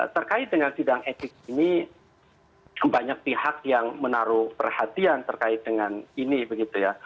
terkait dengan sidang etik ini banyak pihak yang menaruh perhatian terkait dengan ini begitu ya